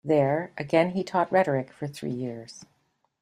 There again he taught rhetoric for three years.